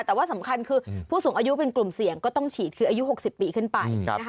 แต่ว่าสำคัญคือผู้สูงอายุเป็นกลุ่มเสี่ยงก็ต้องฉีดคืออายุ๖๐ปีขึ้นไป